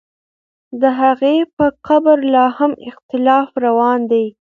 د هغې په قبر لا هم اختلاف روان دی.